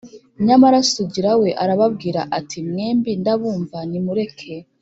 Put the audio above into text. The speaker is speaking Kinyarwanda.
Nyamara Sugira we arababwira ati: “Mwembi ndabumva nimureke